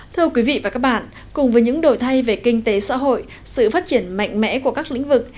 thưa quý vị và các bạn cùng với những đổi thay về kinh tế xã hội sự phát triển mạnh mẽ của các lĩnh vực